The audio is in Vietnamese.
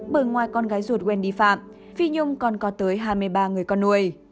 bởi ngoài con gái ruột wendy phạm phi nhung còn có tới hai mươi ba người con nuôi